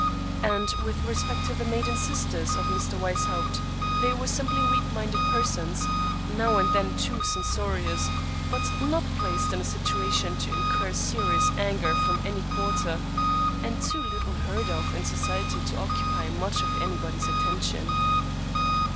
And, with respect to the maiden sisters of Mr. Weishaupt, they were simply weak minded persons, now and then too cen sorious, but not placed in a situation to incur serious anger from any quarter, and too little heard of in society to occupy much of anybody's attention.